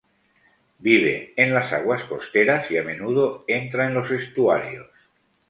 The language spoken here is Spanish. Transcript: Vive en las aguas costeras y a menudo entra en los estuarios.